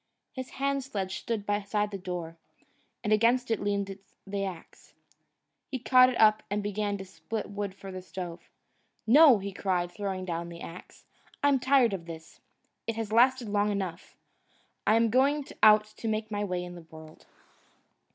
His hand sledge stood beside the door, and against it leaned the axe. He caught it up and began to split wood for the stove. "No!" he cried, throwing down the axe, "I'm tired of this. It has lasted long enough. I'm going out to make my way in the world."